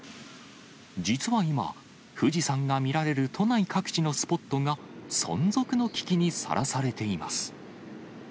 実は今、富士山が見られる都内各地のスポットが、存続の危機にさらされています。